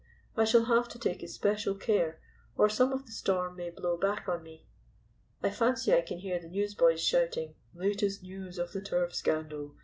"I shall have to take especial care, or some of the storm may blow back on me. I fancy I can hear the newsboys shouting: 'Latest news of the turf scandal.